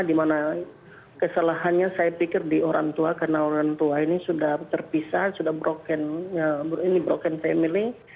dimana kesalahannya saya pikir di orang tua karena orang tua ini sudah terpisah sudah broken family